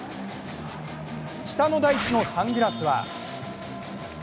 北の大地のサングラスは。